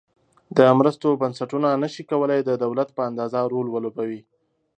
د مرستو بنسټونه نشي کولای د دولت په اندازه رول ولوبوي.